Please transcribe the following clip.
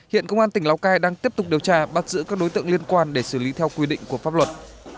hiện công an tỉnh lào cai đang tiếp tục điều tra bắt giữ các đối tượng liên quan để xử lý theo quy định của pháp luật